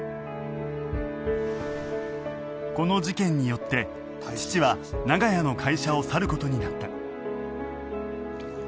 この事件によって父は長屋の会社を去る事になった